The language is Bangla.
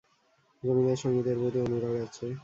জমিদারের সংগীতের প্রতি অনুরাগ আছে।